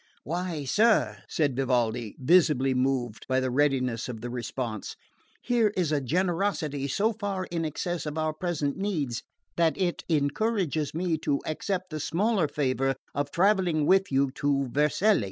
"Why, sir," said Vivaldi, visibly moved by the readiness of the response, "here is a generosity so far in excess of our present needs that it encourages me to accept the smaller favour of travelling with you to Vercelli.